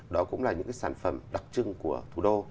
đó cũng là những cái sản phẩm đặc trưng của thủ đô